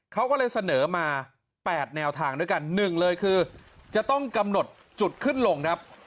เขาก็เลยเสนอมา๘แนวทางด้วยกัน๑เลยคือจะต้องกำหนดจุดขึ้นลงครับ